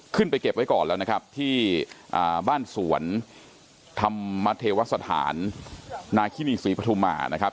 เก็บไว้ก่อนแล้วนะครับที่บ้านสวนธรรมเทวสถานนาคินีศรีปฐุมานะครับ